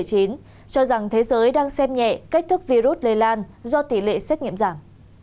cho rằng thế giới đang xem nhẹ cách thức virus lây lan do tỷ lệ xét nghiệm giảm